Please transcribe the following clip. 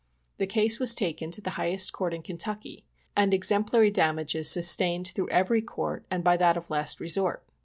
The case was taken to the highest court in Kentucky, and exemplary damages sus tained through every court, and by that of last resort.